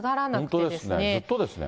本当ですね、ずっとですね。